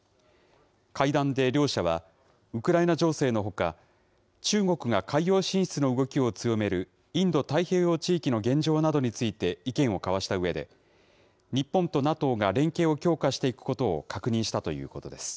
会談で両者は、ウクライナ情勢のほか、中国が海洋進出の動きを強めるインド太平洋地域の現状などについて意見を交わしたうえで、日本とＮＡＴＯが連携を強化していくことを確認したということです。